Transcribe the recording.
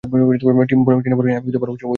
টিনা বলে না, কিনতু আমি জানি ও তোমাকে ভালবাসে।